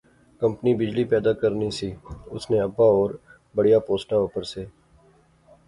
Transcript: کمپنی بجلی پیدا کرنی سی، اس نے ابا ہور بڑیا پوسٹا اپر سے